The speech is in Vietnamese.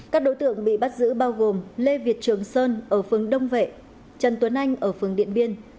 các đối tượng bị bắt giữ bao gồm lê việt trường sơn ở phương đông vệ trần tuấn anh ở phường điện biên